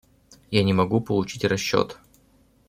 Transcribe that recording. Я не могу получить расчет.